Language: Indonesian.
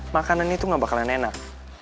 makanannya tuh gak bakalan enak